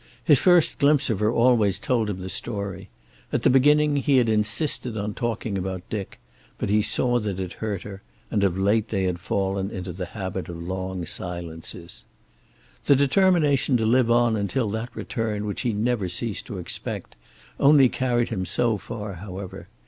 His first glimpse of her always told him the story. At the beginning he had insisted on talking about Dick, but he saw that it hurt her, and of late they had fallen into the habit of long silences. The determination to live on until that return which he never ceased to expect only carried him so far, however.